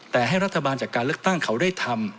แต่ให้รัฐบาลจากการเลือกตั้งเขาได้ทำ